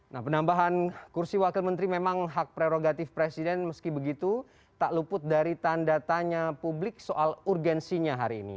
nah penambahan kursi wakil menteri memang hak prerogatif presiden meski begitu tak luput dari tanda tanya publik soal urgensinya hari ini